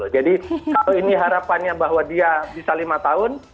jadi kalau ini harapannya bahwa dia bisa lima tahun